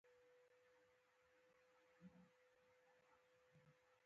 پاکستان د جوړېدو څخه تر نن ورځې پورې د افغان وطن دښمن دی.